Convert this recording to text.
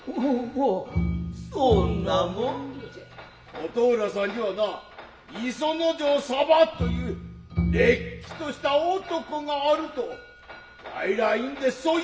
琴浦さんにはな磯之丞様と云うれっきとした男があるとわいら去んでそう言うて来んかい。